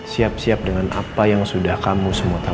siap siap dengan apa yang sudah kamu semua tahu